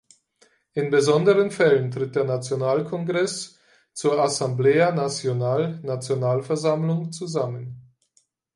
In besonderen Fällen tritt der Nationalkongress zur "Asamblea Nacional" (Nationalversammlung) zusammen.